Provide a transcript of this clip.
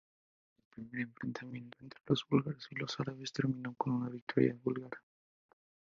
El primer enfrentamiento entre los búlgaros y los árabes terminó con una victoria búlgara.